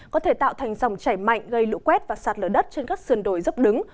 có thể tạo thành dòng chảy mạnh gây lũ quét và sạt lở đất trên các sườn đồi dốc đứng